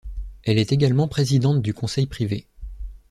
Elle est également présidente du Conseil privé.